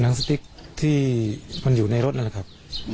สติ๊กที่มันอยู่ในรถนั่นแหละครับ